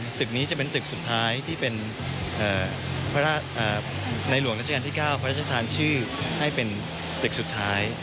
ตึกนี้จะเป็นตึกสุดท้ายที่เป็นพระราชในหลวงราชการที่๙พระราชทานชื่อให้เป็นตึกสุดท้าย